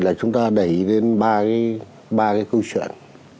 là chúng ta đẩy đến ba cái câu chuyện